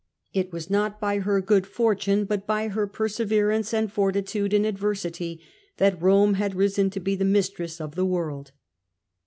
It was not by her good fortune, but by her perseverance and fortitude in adversity that Rome had risen to be the mistress of the world."